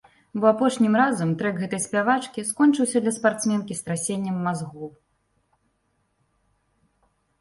Бо апошнім разам трэк гэтай спявачкі скончыўся для спартсменкі страсеннем мазгоў.